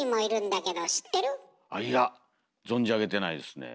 いや存じ上げてないですね。